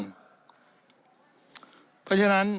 เพราะฉะนั้น